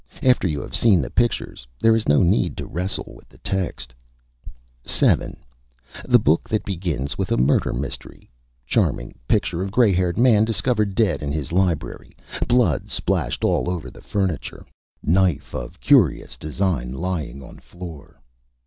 After you have seen the Pictures there is no need to wrestle with the Text. 7. The Book that begins with a Murder Mystery charming Picture of Gray Haired Man discovered Dead in his Library Blood splashed all over the Furniture Knife of Curious Design lying on Floor.